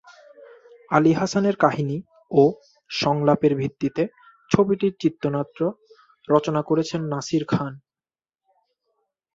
আলী হাসানের কাহিনি ও সংলাপের ভিত্তিতে ছবিটির চিত্রনাট্য রচনা করেছেন নাসির খান।